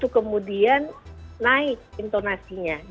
kemudian intonasinya meningkat